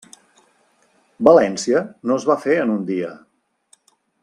València no es va fer en un dia.